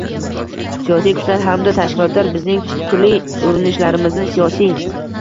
siyosiy kuchlar hamda tashkilotlar, bizning turli urinishlarimizni siyosiy